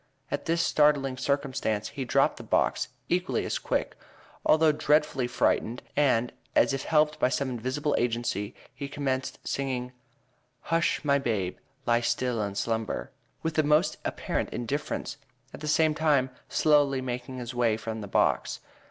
At this startling circumstance he dropped the box; equally as quick, although dreadfully frightened, and, as if helped by some invisible agency, he commenced singing, "Hush, my babe, lie still and slumber," with the most apparent indifference, at the same time slowly making his way from the box.